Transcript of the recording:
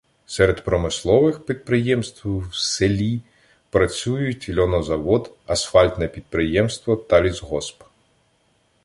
Серед промислових підприємств в селі працюють льонозавод, асфальтне підприємство та лісгосп.